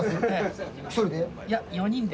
１人で？